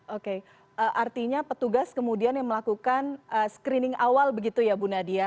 oke artinya petugas kemudian yang melakukan screening awal begitu ya bu nadia